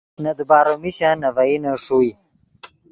نے دیبارو میشن نے ڤئینے ݰوئے